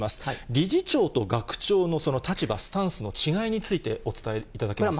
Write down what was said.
理事長と学長のその立場、スタンスの違いについてお伝えいただけますか。